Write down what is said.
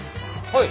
はい！